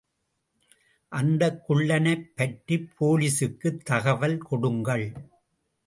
அந்தக் குள்ளனைப்பற்றிப் போலீசுக்குத் தகவல் கொடுங்கள்.